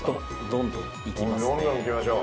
どんどんいきましょう。